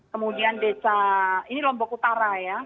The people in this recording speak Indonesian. kemudian desa ini lombok utara ya